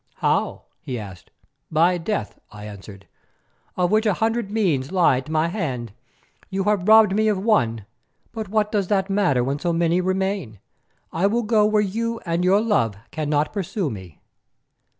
"How?" he asked. "By death," I answered, "of which a hundred means lie to my hand. You have robbed me of one, but what does that matter when so many remain? I will go where you and your love cannot pursue me."